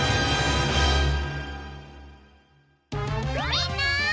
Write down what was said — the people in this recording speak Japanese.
みんな！